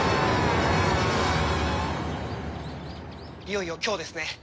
いよいよ今日ですね。